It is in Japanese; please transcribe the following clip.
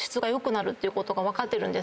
なることが分かってるんです。